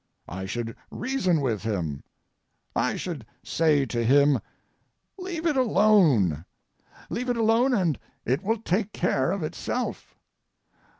I should reason with him. I should say to him, "Leave it alone. Leave it alone and it will take care of itself.